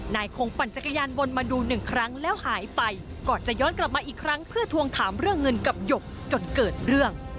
คงปั่นจักรยานวนมาดูหนึ่งครั้งแล้วหายไปก่อนจะย้อนกลับมาอีกครั้งเพื่อทวงถามเรื่องเงินกับหยกจนเกิดเรื่อง